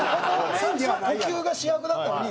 最初は呼吸が主役だったのに。